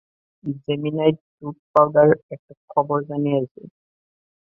Gemini tooth powder একটা খবর জানিয়েছে।